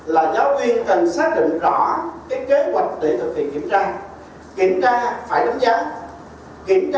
là giáo viên cần xác định rõ cái kế hoạch để thực hiện kiểm tra